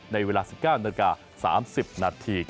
ในเวลา๑๙น๓๐น